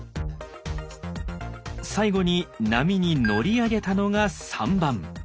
最後に波に乗り上げたのが３番。